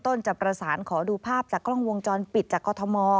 จะประสานขอดูภาพจากกล้องวงจรปิดจากกรทม